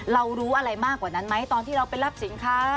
รู้อะไรมากกว่านั้นไหมตอนที่เราไปรับสินค้า